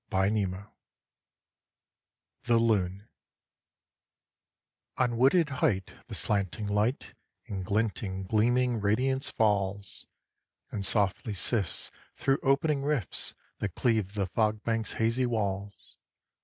Y Z The Loon On wooded height the slanting light In glinting, gleaming radiance falls, And softly sifts throught opening rifts That cleave the fog bank's hazy walls.